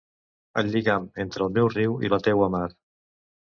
El lligam entre el meu riu i la teua mar...